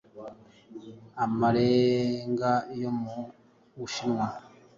amarenga yo m u Bushinwa